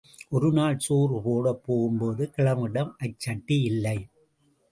ஒருநாள் சோறு போடப் போகும்போது, கிழவனிடம் அச் சட்டி இல்லை.